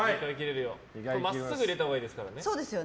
真っすぐ入れたほうがいいですからね。